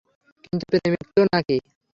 কিন্তু প্রেমিক তো না কি?